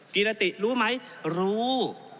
กิรติรู้ไหมรู้